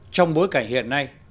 trong bối cảnh hiện nay